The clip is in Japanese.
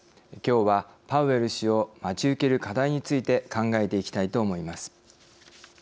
きょうはパウエル氏を待ち受ける課題について考えていきたいと思います。